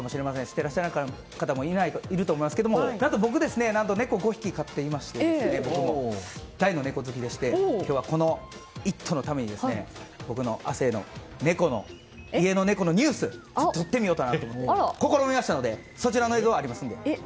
てらっしゃる方もいると思いますが何と僕、猫を５匹飼っていて大の猫好きでして、今日はこの「イット！」のために僕の亜生の家の猫のニュースを撮ってみようと思って試みましたのでそちらの映像ありますので。